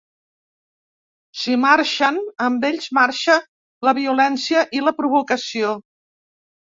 Si marxen, amb ells marxa la violència i la provocació.